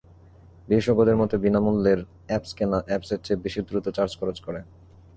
বিশেষজ্ঞদের মতে, বিনা মূল্যের অ্যাপস কেনা অ্যাপসের চেয়ে বেশি দ্রুত চার্জ খরচ করে।